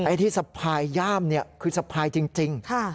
ที่สะพายย่ามคือสะพายจริง